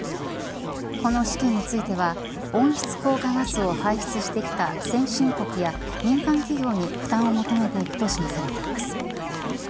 この資金については温室効果ガスを排出してきた先進国や民間企業に負担を求めていくと示されています。